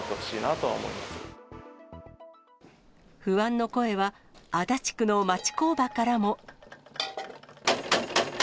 不安の声は足立区の町工場からも。